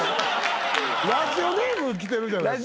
ラジオネームきてるじゃないですか。